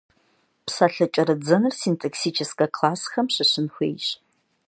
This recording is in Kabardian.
Псалъэ кӏэрыдзэныр синтаксическэ классхэм щыщын хуейщ.